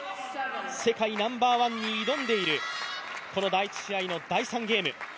世界ナンバーワンに挑んでいる第１試合の第３ゲーム。